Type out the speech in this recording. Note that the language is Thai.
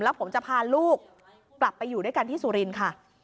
แล้วผมจะพาลูกกลับไปอยู่ด้วยกันที่สุรินทร์ค่ะ